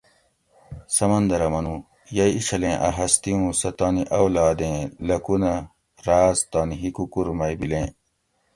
سمندر اۤ منو: یئ اِیں چھلیں اۤ ہستی اُوں سہۤ تانی اولاد ایں لاکھونہۤ راۤز تانی حکوکور مئ بِلیں